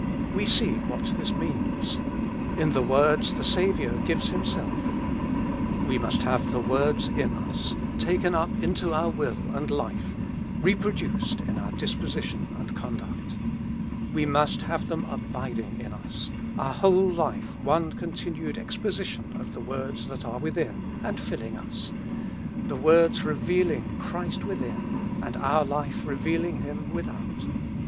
We see what this means. In the words the Saviour gives Himself. We must have the words in tis, taken 178 With Christ in the School of Prayer. up into our will and life, reproduced in our disposi tion and conduct. We must have them abiding in us : our whole life one continued exposition of the words that are within, and filling us ; the words re vealing Christ within, and our life revealing Him without.